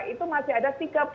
itu masih ada